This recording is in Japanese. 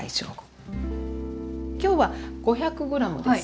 今日は５００ｇです。